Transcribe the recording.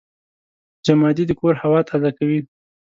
جمادې د کور هوا تازه کوي.